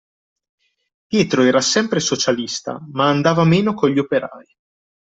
Pietro era sempre socialista, ma andava meno con gli operai.